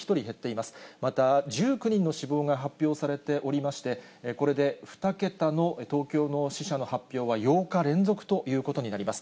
また１９人の死亡が発表されておりまして、これで２桁の東京の死者の発表は８日連続ということになります。